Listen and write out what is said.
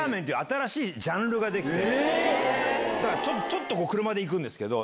ちょっと車で行くんですけど。